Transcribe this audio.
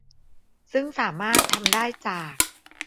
ซึ่งสามารถทำได้จาก